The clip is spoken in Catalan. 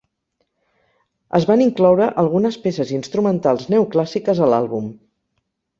Es van incloure algunes peces instrumentals neoclàssiques a l'àlbum.